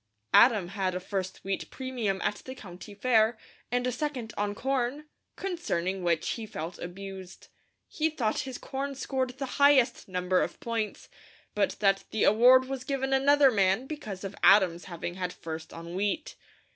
Adam had a first wheat premium at the County Fair and a second on corn, concerning which he felt abused. He thought his corn scored the highest number of points, but that the award was given another man because of Adam's having had first on wheat.